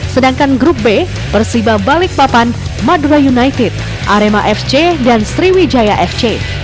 sedangkan grup b bersiba balik papan madura united arema fc dan sriwijaya fc